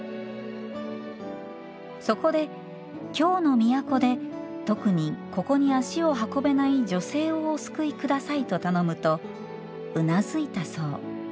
そこで、「京の都で、特にここに足を運べない女性をお救いください」と頼むとうなずいたそう。